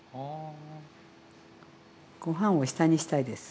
ご飯を下にしたいです。